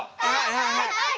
はいはいはい！